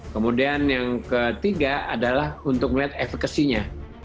kemudian yang ketiga adalah untuk melihat efekasinya